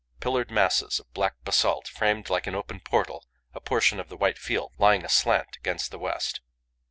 Pillared masses of black basalt framed like an open portal a portion of the white field lying aslant against the west.